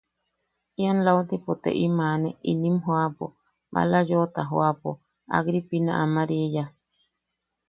–Ian lautipo te im aane inim joʼapo, maala yoʼota joʼapo, Agripina Amariyas.